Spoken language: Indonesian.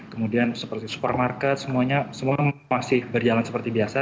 kemudian seperti supermarket semuanya semua masih berjalan seperti biasa